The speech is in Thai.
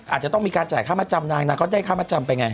อาจจะต้องมีการจ่ายค่ามาจำนางนางก็ได้ค่ามาจำไปไง